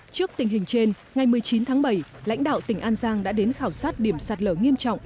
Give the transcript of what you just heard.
trước tình hình trên ngày một mươi chín tháng bảy lãnh đạo tỉnh an giang đã đến khảo sát điểm sạt lở nghiêm trọng